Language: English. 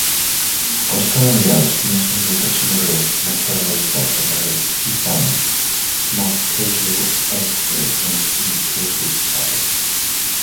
Australia's national dictionary, Macquarie Dictionary, defines "smart casual" as "well-dressed in a casual style".